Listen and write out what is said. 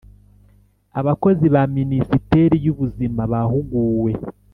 abakozi ba minisiteri y’ubuzima bahuguwe